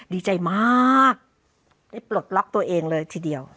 ดีใจมากได้ปลดล็อกตัวเองเลยทีเดียว